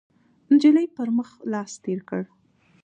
، نجلۍ پر مخ لاس تېر کړ،